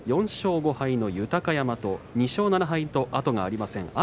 ４勝５敗の豊山と２勝７敗と後がありません